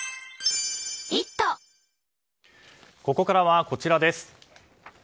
ここからは、こちらです。